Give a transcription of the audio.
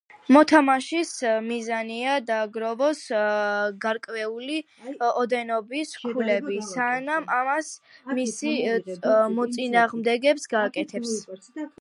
მოთამაშის მიზანია დააგროვოს გარკვეული ოდენობის ქულები, სანამ ამას მისი მოწინააღმდეგე გააკეთებს.